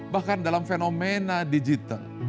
bahkan dalam fenomena digital